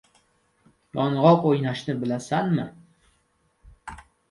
Yong‘oq o‘ynashni bilasanmi?